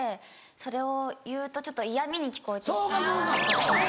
それを言うとちょっと嫌みに聞こえてしまうこと。